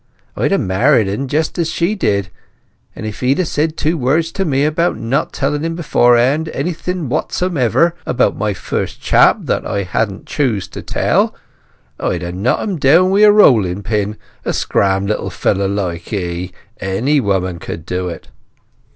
I'd ha' married en just as she did, and if he'd said two words to me about not telling him beforehand anything whatsomdever about my first chap that I hadn't chose to tell, I'd ha' knocked him down wi' the rolling pin—a scram little feller like he! Any woman could do it."